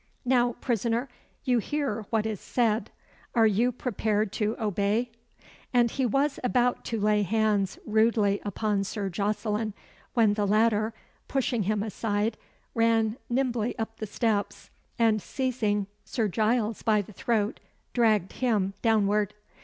"Now, prisoner, you hear what is said are you prepared to obey?" And he was about to lay hands rudely upon Sir Jocelyn, when the latter, pushing him aside, ran nimbly up the steps, and seizing Sir Giles by the throat, dragged him downward.